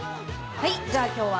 はい。